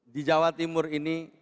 di jawa timur ini